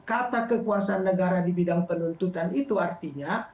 kata kekuasaan negara di bidang penuntutan itu artinya